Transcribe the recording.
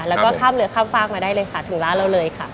แล้วก็ข้ามเรือข้ามฟากมาได้เลยค่ะถึงร้านเราเลยค่ะ